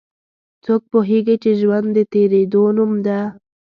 څوک پوهیږي چې ژوند د تیریدو نوم ده